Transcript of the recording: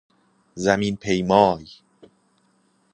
زمین پیمای